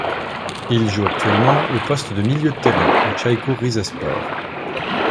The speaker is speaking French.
Il joue actuellement au poste de milieu de terrain au Caykur Rizespor.